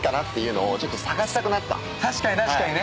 確かに確かにね。